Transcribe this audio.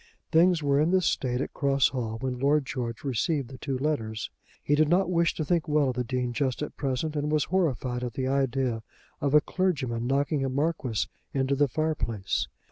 Things were in this state at Cross Hall when Lord George received the two letters. He did not wish to think well of the Dean just at present, and was horrified at the idea of a clergyman knocking a Marquis into the fire place.